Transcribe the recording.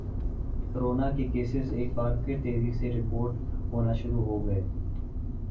corona کے cases ایک بار پھر تیزی سے رپورٹ ہونا شروع ہوگئے